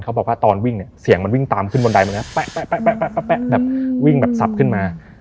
บอกว่าตอนวิ่งเนี่ยเสียงมันวิ่งตามขึ้นบันไดตรงนี้แป๊ะแบบวิ่งแบบสับขึ้นมา